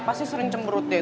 pasti sering cemberut deh